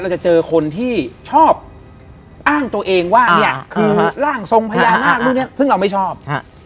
เราจะเจอคนที่ชอบอ้างตัวเองว่านี่คือร่างทรงพญานาคต์ซึ่งเราไม่ชอบ